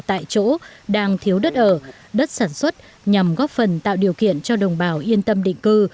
tại chỗ đang thiếu đất ở đất sản xuất nhằm góp phần tạo điều kiện cho đồng bào yên tâm định cư